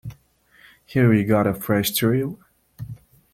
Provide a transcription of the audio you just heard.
Here he got a fresh thrill.